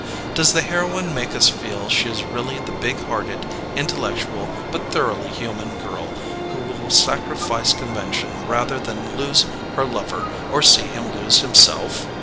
Does the heroine make us feel she is really the big hearted, intellectual, but thoroughly human, girl who will sacrifice convention rather than lose her lover, or see him lose himself?